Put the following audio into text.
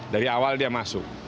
dari awal dia masuk